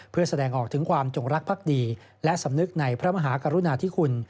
เพื่อแสดงออกถึงความจงรักภักดีและสำนึกในพระมหากรุณาธิคุณ